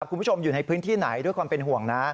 คุณผู้ชมอยู่ในพื้นที่ไหนด้วยความเป็นห่วงนะ